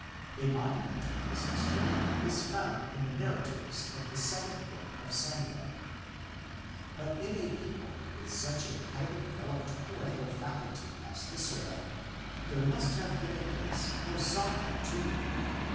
A monument of this history is found in the narratives of the Second Book of Samuel. But in a people with such a highly developed poetical faculty as Israel there must have been a place for saga too.